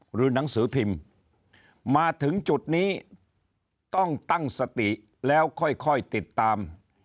หรือหนังสือพิมพ์มาถึงจุดนี้ต้องตั้งสติแล้วค่อยติดตาม